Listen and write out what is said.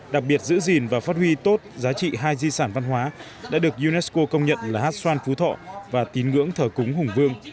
đặc biệt giữ gìn và phát huy tốt giá trị hai di sản văn hóa đã được unesco công nhận là hát xoan phú thọ và tín ngưỡng thờ cúng hùng vương